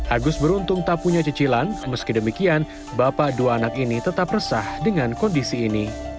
agus beruntung tak punya cicilan meski demikian bapak dua anak ini tetap resah dengan kondisi ini